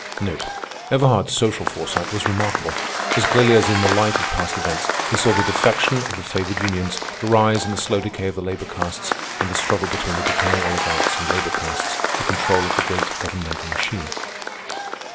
Everhard's social foresight was remarkable. As clearly as in the light of past events, he saw the defection of the favored unions, the rise and the slow decay of the labor castes, and the struggle between the decaying oligarchs and labor castes for control of the great governmental machine.